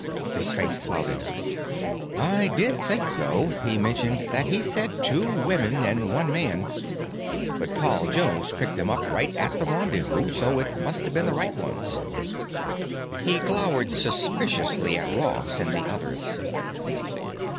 His face clouded. "I did think, though," he mentioned, "that he said two women and one man. But Paul Jones picked them up right at the rendezvous, so it must've been the right ones." He glowered suspiciously at Ross and the others.